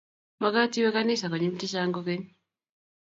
Magaat iwe kaniset konyil chechang kogeny